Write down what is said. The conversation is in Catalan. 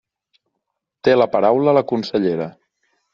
Té la paraula la consellera.